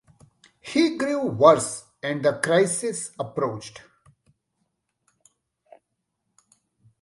He grew worse, and the crisis approached.